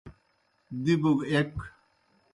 دِبوْ گہ ایْک۔